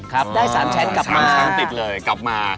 ครับได้๓ชั้นกลับมา๓ชั้นติดเลยกลับมา